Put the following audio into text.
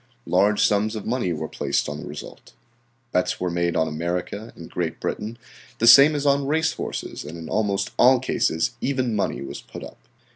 Large sums of money were placed on the result. Bets were made on America and Great Britain, the same as on race horses, and in almost all cases even money was put up.